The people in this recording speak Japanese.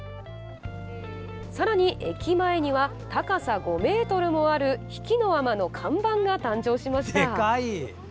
さらに、駅前には高さ５ｍもある比企尼の看板が誕生しました。